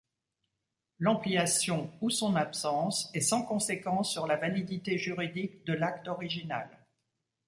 L'ampliation ou son absence est sans conséquence sur la validité juridique de l'acte original.